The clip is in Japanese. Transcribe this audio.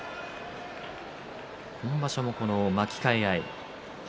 今場所も巻き替え合い。